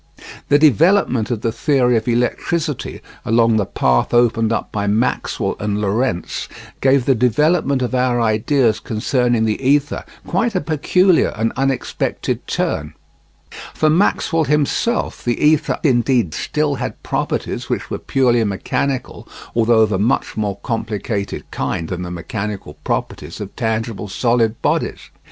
The development of the theory of electricity along the path opened up by Maxwell and Lorentz gave the development of our ideas concerning the ether quite a peculiar and unexpected turn. For Maxwell himself the ether indeed still had properties which were purely mechanical, although of a much more complicated kind than the mechanical properties of tangible solid bodies.